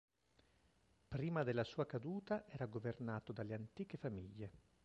Prima della sua caduta era governato dalle Antiche Famiglie.